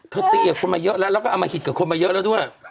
ตีกับคนมาเยอะแล้วแล้วก็อมหิตกับคนมาเยอะแล้วด้วย